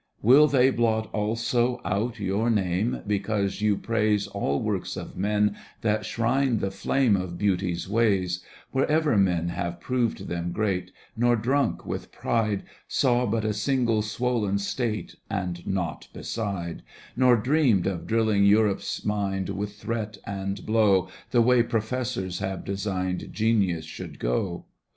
Digitized by Google TO GOETHE a Will they blot also out your name Because you praise All works of men that shrine the flame Of beauty's wasrs. Wherever men have proved them great. Nor, drunk with pride. Saw but a single swollen State And naught beside. Nor dreamed of drilling Europe's mind With threat and blow The way professors have designed Genius should go